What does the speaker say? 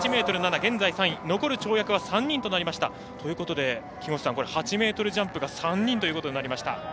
現在３位、残る跳躍は３人。ということで、木越さん８ｍジャンプが３人ということになりました。